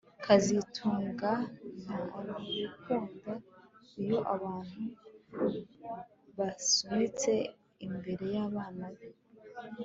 kazitunga ntabikunda iyo abantu basunitse imbere yabana be